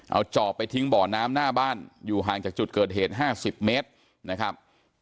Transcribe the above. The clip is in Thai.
เอาจอบไปทิ้งบ่อน้ำหน้าบ้านอยู่ห่างจากจุดเกิดเหตุ๕๐เมตรนะครับ